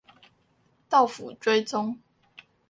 到府追蹤